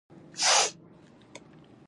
د یوې ژبې زده کول شپږ میاشتې وخت نیسي